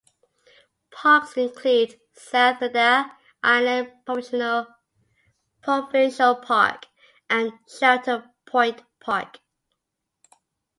Parks include South Texada Island Provincial Park and Shelter Point Park.